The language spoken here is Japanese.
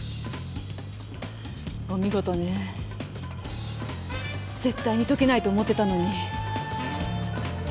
お見事ねぜっ対にとけないと思ってたのに。